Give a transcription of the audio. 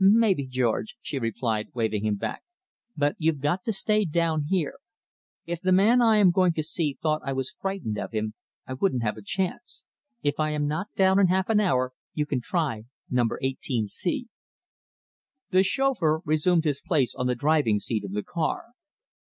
"Maybe, George," she replied, waving him back, "but you've got to stay down here. If the man I am going to see thought I was frightened of him I wouldn't have a chance. If I am not down in half an hour you can try number 18C." The chauffeur resumed his place on the driving seat of the car.